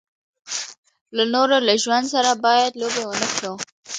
د نورو له ژوند سره باید لوبې و نه کړو.